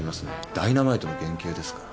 ダイナマイトの原型ですから。